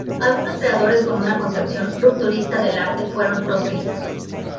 Algunos creadores con una concepción rupturista del arte fueron proscritos.